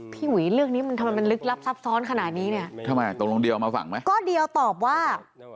หุยเรื่องนี้มันทำไมมันลึกลับซับซ้อนขนาดนี้เนี่ยทำไมตกลงเดียวเอามาฝั่งไหมก็เดียวตอบว่า